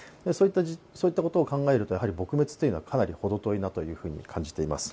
そういったことを考えると撲滅というのはほど遠いなと感じています。